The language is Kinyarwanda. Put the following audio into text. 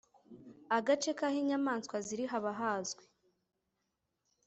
Agace k’aho inyamaswa ziri haba hazwi